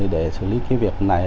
để xử lý việc này